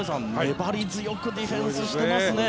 粘り強くディフェンスしてますね。